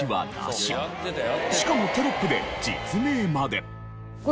しかもテロップで実名まで。